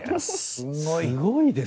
すごいです。